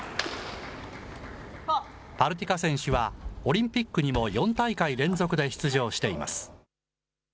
パルティカ選手は、オリンピックにも４大会連続で出場しています。